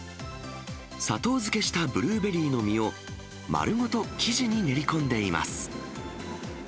砂糖漬けしたブルーベリーの実を、丸ごと生地に練り込んでいます。